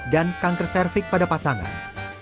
dan kanker cervix pada pasangan